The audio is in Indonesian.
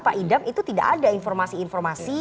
pak idam itu tidak ada informasi informasi